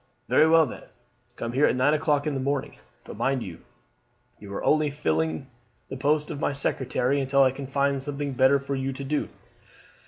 "Very well, then, come here at nine o'clock in the morning. But mind you are only filling the post of my secretary until I can find something better for you to do."